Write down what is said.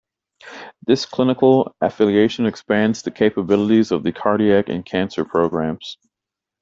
This clinical affiliation expands the capabilities of the cardiac and cancer programs.